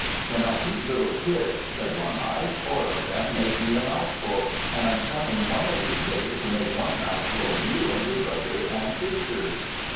"When I eat little Kids," said One eye, "four of them make me a mouthful; and I'm coming one of these days to make one mouthful of you and your brother and sisters."